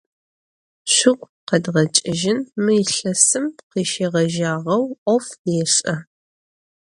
Шъугу къэдгъэкӏыжьын, мы илъэсым къыщегъэжьагъэу ӏоф ешӏэ.